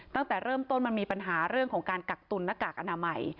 ตั้งแต่เริ่มต้นมันมีปัญหาเรื่องของการกักตุนหน้ากากอนามัย